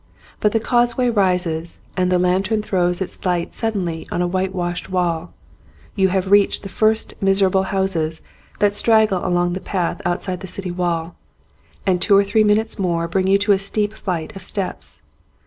But the causeway rises and the lantern throws its light suddenly on a whitewashed wall: you have reached the first miserable houses that straggle along the path outside the city wall, and two or three minutes more bring you to a steep flight of steps.